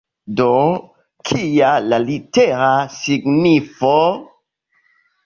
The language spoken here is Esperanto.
Do, kia la litera signifo?